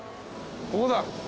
ここだ。